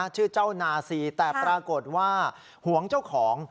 ชื่อเจ้านาซีแต่ปรากฏว่าหวงเจ้าของ